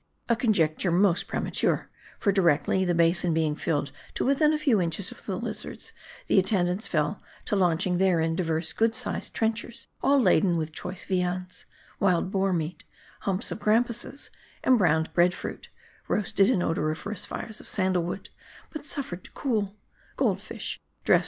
A conjecture, most premature ; for directly, the basin being filled to within a few inches of the lizards, the attendants fell to launching therein divers goodly sized trenchers, all laden with choice viands : wild boar meat ; humps of grampuses ; embrowned bread fruit, roasted in odoriferous fires of sandal wood, but suffered to cool ; gold fish, dressed 296 M A R D I.